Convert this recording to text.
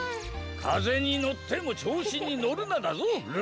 「かぜにのってもちょうしにのるな」だぞルル！